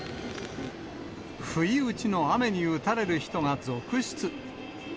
不意打ちの雨に打たれる人が続出。